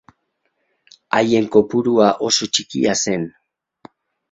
Haien kopurua oso txikia zen.